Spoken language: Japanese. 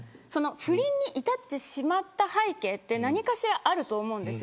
不倫に至ってしまった背景は何かしらあると思うんです。